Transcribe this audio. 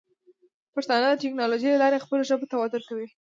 پښتانه د ټیکنالوجۍ له لارې خپلو ژبو ته وده ورکوي.